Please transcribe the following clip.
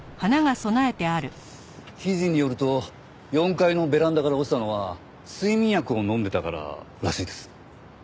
記事によると４階のベランダから落ちたのは睡眠薬を飲んでたかららしいです。